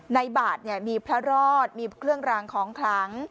ในบาทเนี่ยมีพระรอดมีเครื่องรางของครั้ง